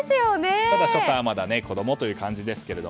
ただ所作はまだ子供という感じ。